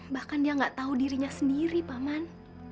bahkan dia nggak tahu dirinya sendiri paman